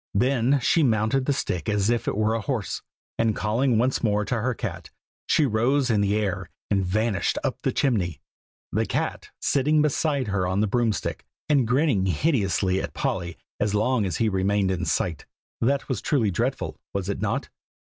Then she mounted the stick as if it were a horse, and calling once more to her cat, she rose in the air, and vanished up the chimney, the cat sitting beside her on the broom stick, and grinning hideously at Polly as long as he remained in sight. That was truly dreadful, was it not?